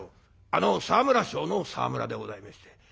あの沢村賞の沢村でございまして。